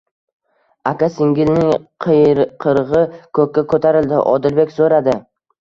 Aka-singilning qiyqirg'i ko'kka ko'tarildi. Odilbek so'radi: